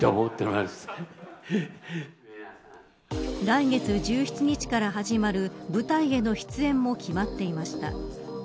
来月１７日から始まる舞台への出演も決まっていました。